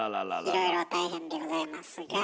いろいろ大変でございますが。